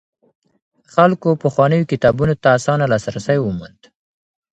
خلکو پخوانيو کتابونو ته اسانه لاسرسی وموند.